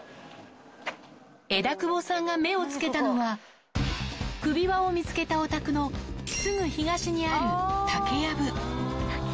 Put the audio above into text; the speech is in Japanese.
枝久保さんが目をつけたのは、首輪を見つけたお宅のすぐ東にある竹やぶ。